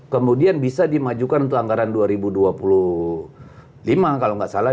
kemudian bisa dimajukan untuk anggaran dua ribu dua puluh lima kalau nggak salah